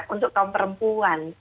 untuk kaum perempuan